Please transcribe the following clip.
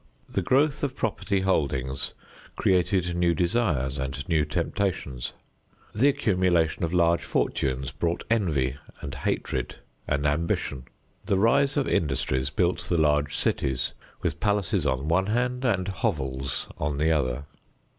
The growth of property holdings created new desires and new temptations. The accumulation of large fortunes brought envy and hatred and ambition. The rise of industries built the large cities, with palaces on one hand and hovels on the other.